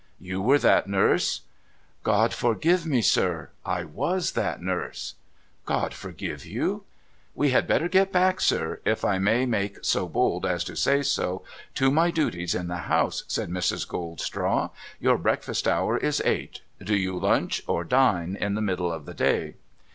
You were that nurse ?'' God forgive me, sir — I was that nurse !'' God forgive you ?'* We had better get back, sir (if I may make so bold as to say so), to my duties in the house,' said Mrs. Goldstraw. ' Your breakfast hour is eight. Do you lunch, or dine, in the middle of the day